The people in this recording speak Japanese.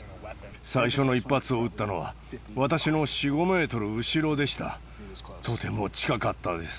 最初の１発を撃ったのは私の４、５メートル後ろでした。